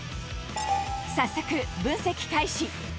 早速、分析開始。